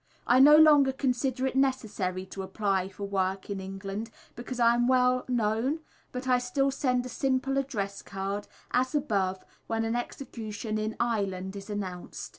I no longer consider it necessary to apply for work in England, because I am now well known, but I still send a simple address card, as above, when an execution in Ireland is announced.